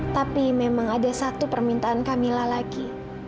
tapi memang ada satu permintaan kamila lagi